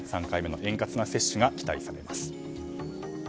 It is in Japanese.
３回目の円滑な接種が期待されます。